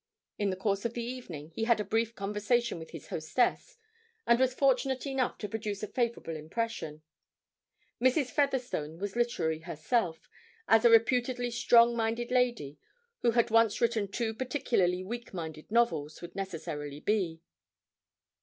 In the course of the evening he had a brief conversation with his hostess, and was fortunate enough to produce a favourable impression. Mrs. Featherstone was literary herself, as a reputedly strong minded lady who had once written two particularly weak minded novels would necessarily be.